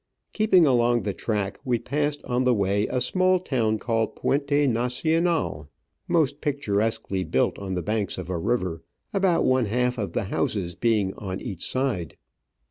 Keeping along the track, we passed on the way a small town called Puente Nacional, most picturesquely built on the banks of a river, about one half of the houses being on each side.